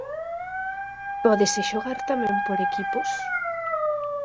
Pódese xogar tamén por equipos.